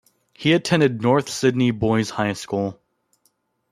He attended North Sydney Boys High School.